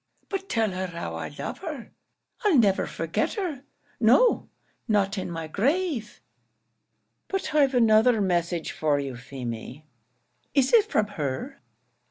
But tell her how I love her. I'll never forget her; no, not in my grave!" "But I've another message for you, Feemy." "Is it from her?"